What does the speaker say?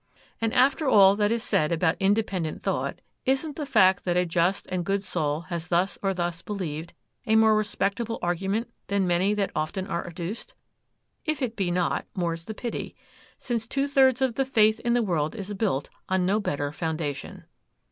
And after all that is said about independent thought, isn't the fact that a just and good soul has thus or thus believed, a more respectable argument than many that often are adduced? If it be not, more's the pity,—since two thirds of the faith in the world is built on no better foundation.